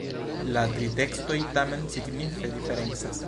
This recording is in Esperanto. La tri tekstoj tamen signife diferencas.